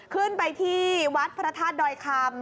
ขึ้นไปที่วัดพระธาตุดอยคำ